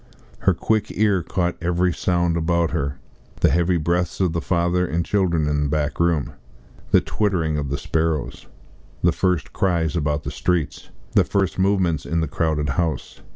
Her quick ear caught every sound about her the heavy breaths of the father and children in the back room, the twittering of the sparrows, the first cries about the streets, the first movements in the crowded house.